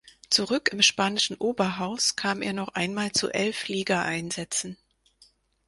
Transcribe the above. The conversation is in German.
Zurück im spanischen Oberhaus kam er noch einmal zu elf Ligaeinsätzen.